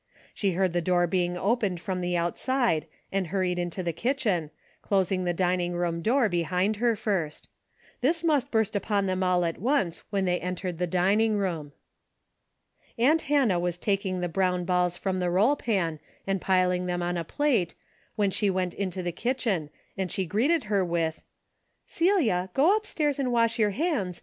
She heard the door being opened from the outside and hurried into the kitchen, closing the dining room door behind her first. This must burst upon them all at once when they entered the dining room. Aunt Hannah was taking the brown balls from the roll pan and piling them on a plate, when she went into the kitchen, and she greeted her with : "Celia, go upstairs and wash your hands 143 A DAILY RATE.